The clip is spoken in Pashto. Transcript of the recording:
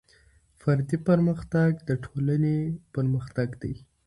فردي پرمختګ د ټولنې پرمختګ دی.